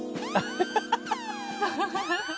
「ハハハハ！」